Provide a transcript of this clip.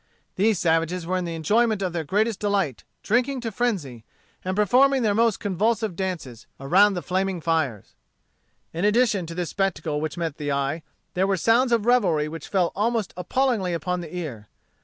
These savages were in the enjoyment of their greatest delight, drinking to frenzy, and performing their most convulsive dances, around the flaming fires. In addition to this spectacle which met the eye, there were sounds of revelry which fell almost appallingly upon the ear.